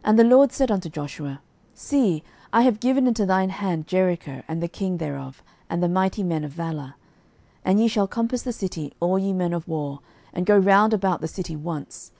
06:006:002 And the LORD said unto Joshua, See, I have given into thine hand Jericho, and the king thereof, and the mighty men of valour. 06:006:003 And ye shall compass the city, all ye men of war, and go round about the city once.